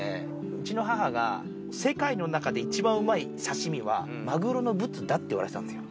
うちの母が、世界の中で一番うまい刺身は、マグロのブツだって言われてたんですよ。